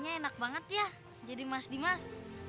kayaknya enak banget ya jadi mas di mas